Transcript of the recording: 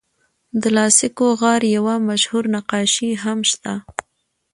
د لاسکو غار یوه مشهور نقاشي هم شته.